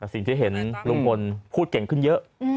สิ่งที่เห็นลุงพลพูดเก่งขึ้นเยอะ